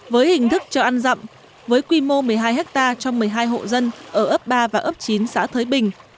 với hình thức cho ăn rậm với quy mô một mươi hai hectare cho một mươi hai hộ dân ở ấp ba và ấp chín xã thới bình